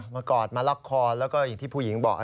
กอดมาล็อกคอแล้วก็อย่างที่ผู้หญิงบอก